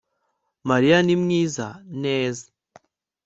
mariya ni mwiza. neza